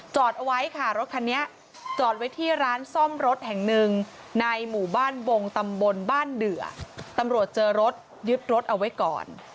เอาไว้ค่ะรถคันนี้จอดไว้ที่ร้านซ่อมรถแห่งหนึ่งในหมู่บ้านบงตำบลบ้านเดือตำรวจเจอรถยึดรถเอาไว้ก่อน